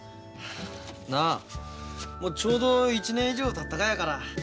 なあちょうど１年以上たったがやから。